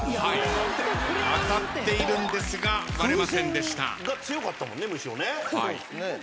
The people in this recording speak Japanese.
当たっているんですが割れませんでした。